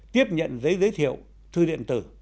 tiếp nhận giấy giới thiệu thư điện tử